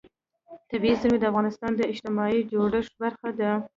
طبیعي زیرمې د افغانستان د اجتماعي جوړښت برخه ده.